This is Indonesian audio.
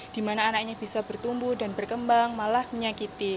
dimana anaknya bisa bertumbuh dan berkembang malah menyakiti